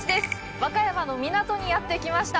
和歌山の港にやってきました。